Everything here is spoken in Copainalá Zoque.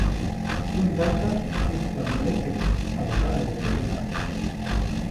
ʼÄj ndata, ʼäkpa nikeme, ʼadu kaʼebädeyaʼa.